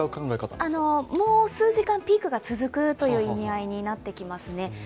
もう数時間ピークが続くという意味合いになりますね。